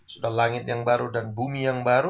sudah langit yang baru dan bumi yang baru